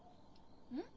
うん？